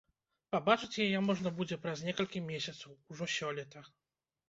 Пабачыць яе можна будзе праз некалькі месяцаў, ужо сёлета.